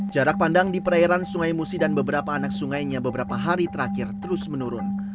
jarak pandang di perairan sungai musi dan beberapa anak sungainya beberapa hari terakhir terus menurun